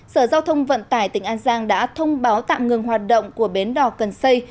sở giao thông vận tải tỉnh an giang đã thông báo tạm ngừng hoạt động của bến đỏ cần xây